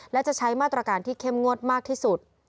และจะใช้มาตรการที่เข้มงวดมากที่สุด